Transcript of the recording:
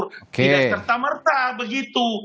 tidak serta merta begitu